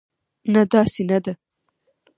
نه، داسې نه ده.